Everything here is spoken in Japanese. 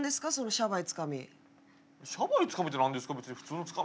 シャバいつかみって何ですか？